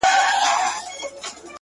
نور به شاعره زه ته چوپ ووسو ـ